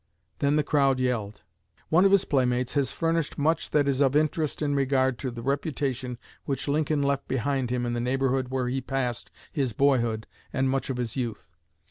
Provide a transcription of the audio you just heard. Then the crowd yelled." One of his playmates has furnished much that is of interest in regard to the reputation which Lincoln left behind him in the neighborhood where he passed his boyhood and much of his youth.